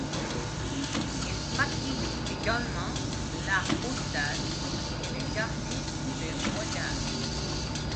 Elle pratique également l'art postal et le carnet de voyage.